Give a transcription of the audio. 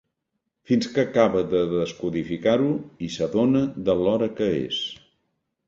Fins que acaba de descodificar-ho i s'adona de l'hora que és.